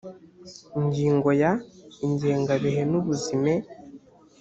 ingingo ya…: ingengabihe n’ubuzime